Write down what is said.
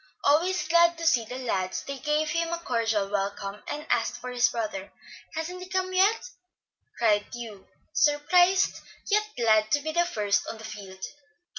Always glad to see the lads, they gave him a cordial welcome, and asked for his brother. "Hasn't he come yet?" cried Hugh, surprised, yet glad to be the first on the field.